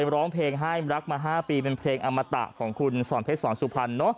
ร้องเพลงให้รักมา๕ปีเป็นเพลงอมตะของคุณสอนเพชรสอนสุพรรณ